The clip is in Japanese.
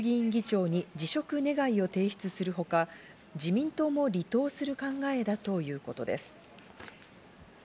今日にも衆議院議長に辞職願を提出するほか、自民党もする考えだということです。